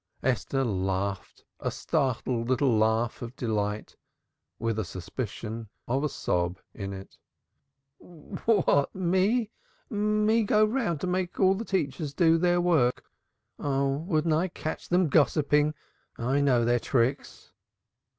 Esther laughed a startled little laugh of delight, with a suspicion of a sob in it. "What! Me! Me go round and make all the teachers do their work. Oh, wouldn't I catch them gossiping! I know their tricks!"